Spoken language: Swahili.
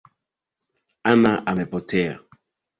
Ana amepotea